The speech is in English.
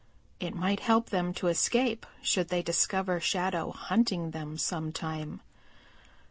It might help them to escape should they discover Shadow hunting them sometime.